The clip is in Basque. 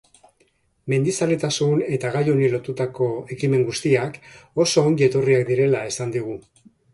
Mendizaletasuna eta gai honi lotutako ekimen guztiak oso ongi etorriak direla esan digu.